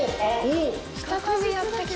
再びやって来た。